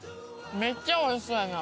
めっちゃおいしそうやな。